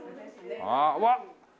ああわっ！